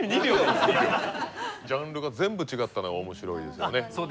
ジャンルが全部違ったのが面白いですよね。